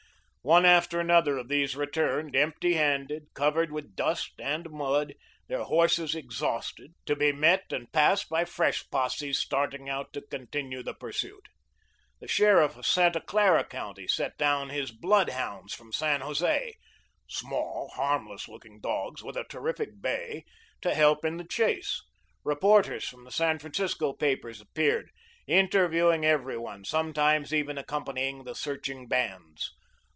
One after another of these returned, empty handed, covered with dust and mud, their horses exhausted, to be met and passed by fresh posses starting out to continue the pursuit. The sheriff of Santa Clara County sent down his bloodhounds from San Jose small, harmless looking dogs, with a terrific bay to help in the chase. Reporters from the San Francisco papers appeared, interviewing every one, sometimes even accompanying the searching bands.